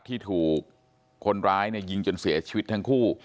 ที่ถูกคนร้ายยิงจนเสียชีวิตทั้งคู่